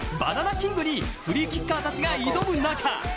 ＫＩＮＧにフリーキッカーたちが挑む中